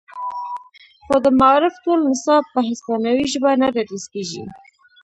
خو د معارف ټول نصاب په هسپانوي ژبه نه تدریس کیږي